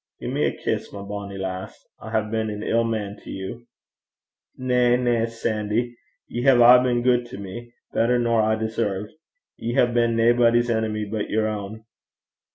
Gie me a kiss, my bonny lass. I hae been an ill man to you.' 'Na, na, Sandy. Ye hae aye been gude to me better nor I deserved. Ye hae been naebody's enemy but yer ain.'